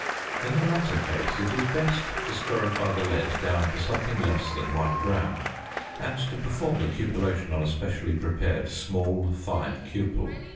In the latter case it is best to scorify the lead down to something less than 1 gram, and to perform the cupellation on a specially prepared small fine cupel.